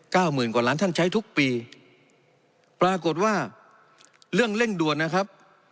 หมื่นกว่าล้านท่านใช้ทุกปีปรากฏว่าเรื่องเร่งด่วนนะครับ